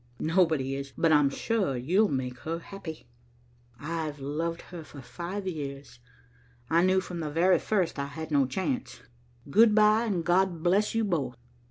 Nobody is, but I'm sure you'll make her happy. I've loved her for five years. I knew from the very first I had no chance. Good bye, and God bless you both."